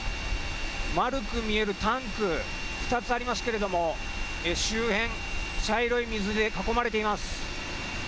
丸く見えるタンク、２つありますけれども周辺、茶色い水で囲まれています。